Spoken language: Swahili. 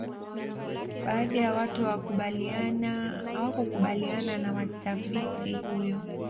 baadhi ya watu hawakubaliana na mtafiti huyo